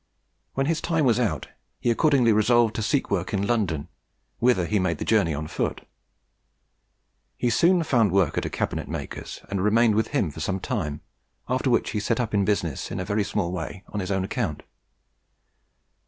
When his time was out, he accordingly resolved to seek work in London, whither he made the journey on foot. He soon found work at a cabinet maker's, and remained with him for some time, after which he set up business in a very small way on his own account.